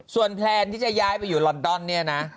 ส่วนแพลนที่จะย้ายไปอยู่ลอนดอนเนี่ยนะ